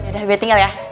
yaudah gue tinggal ya